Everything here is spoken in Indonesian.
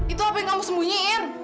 itu apa yang kamu sembunyiin